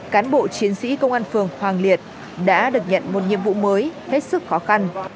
cán bộ chiến sĩ công an phường hoàng liệt đã được nhận một nhiệm vụ mới hết sức khó khăn